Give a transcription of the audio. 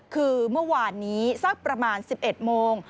คือเมื่อวานนี้สักประมาณ๑๑โมง